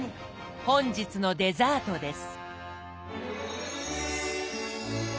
本日のデザートです。